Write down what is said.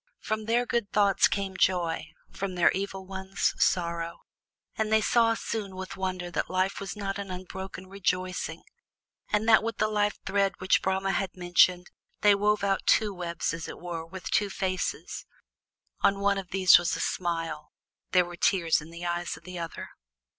From their good thoughts came joy, from their evil ones, sorrow; and they saw soon with wonder that life was not an unbroken rejoicing, but that with the life thread which Brahma had mentioned they wove out two webs as it were with two faces, on one of these was a smile; there were tears in the eyes of the other.